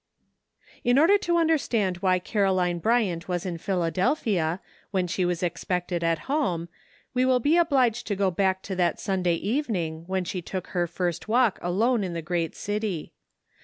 " In order to understand why Caroline Bryant was in Philadelphia, when she was expected at home, we will be obliged to go back to that Sunday evening when she took her first walk alone in the great city.